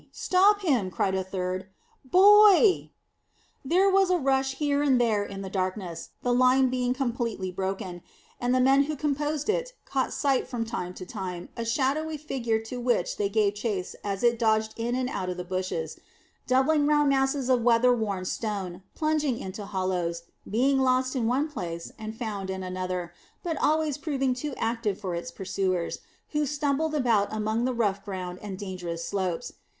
Stop him!" cried a third. "Boy!" There was a rush here and there in the darkness, the line being completely broken, and the men who composed it caught sight from time to time of a shadowy figure to which they gave chase as it dodged in and out of the bushes, doubling round masses of weather worn stone, plunging into hollows, being lost in one place and found in another, but always proving too active for its pursuers, who stumbled about among the rough ground and dangerous slopes.